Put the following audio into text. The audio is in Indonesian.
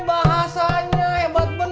iya bahasanya hebat bener